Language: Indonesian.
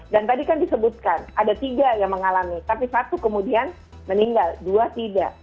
dan tadi kan disebutkan ada tiga yang mengalami tapi satu kemudian meninggal dua tidak